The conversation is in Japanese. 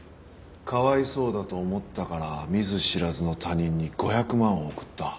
かわいそうだと思ったから見ず知らずの他人に５００万を送った。